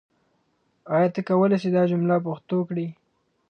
آیا ته کولای سې دا جمله پښتو کړې؟